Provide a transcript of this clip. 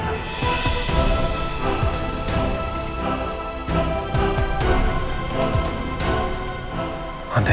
ga bisa gak ada apa apa dulu